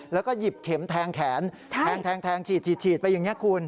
แล้วก็หยิบเข็มแทงแขนแทงฉีดไปอย่างนี้คุณ